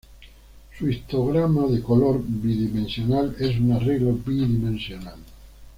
Un histograma de color bidimensional es un arreglo bidimensional.